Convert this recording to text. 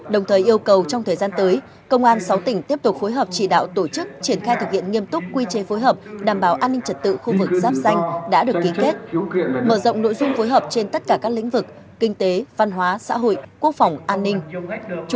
đồng thời yêu cầu trong thời gian tới công an sáu tỉnh tiếp tục phối hợp chỉ đạo tổ chức triển khai thực hiện nghiêm túc quy chế phối hợp đảm bảo an ninh trật tự khu vực giáp danh đã được ký kết mở rộng nội dung phối hợp trên tất cả các lĩnh vực kinh tế văn hóa xã hội quốc phòng an ninh